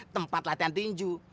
tempat latihan tinju